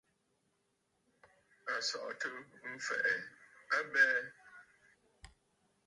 À sɔ̀ɔ̀ntə mfɛ̀ɛ a abɛɛ.